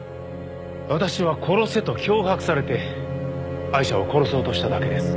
私は殺せと脅迫されてアイシャを殺そうとしただけです。